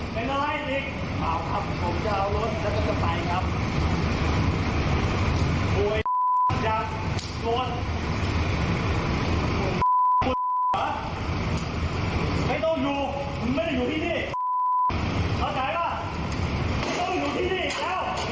บ้านตัวเองแค่ถอยรถยิงกันเลยดูหน่อยกันแล้วกันค่ะ